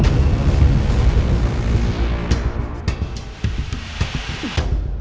masih gak bisa